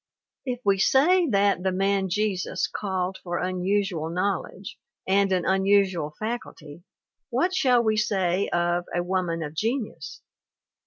If we say that The Man Jesus called for unusual knowledge and an unusual faculty, what shall we say of A Woman of Genius?